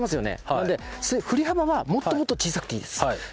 なので振り幅はもっともっと小さくていいです。